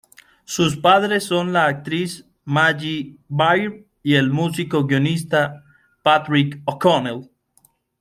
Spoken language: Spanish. Sus padres son la actriz Maggie Baird y el músico y guionista Patrick O'Connell.